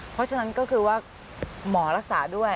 เพราะฉะนั้นก็คือว่าหมอรักษาด้วย